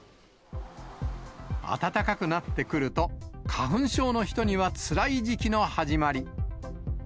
暖かくなってくると、花粉症の人にはつらい時期の始まり。